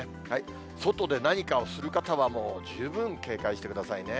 外で何かをする方は、もう十分、警戒してくださいね。